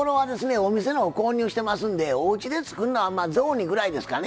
お店のを購入してますのでおうちで作るのは雑煮ぐらいですかね。